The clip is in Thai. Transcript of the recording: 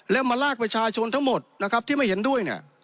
แล้วมาลากประชาชนทั้งหมดนะครับที่ไม่เห็นด้วยเนี่ย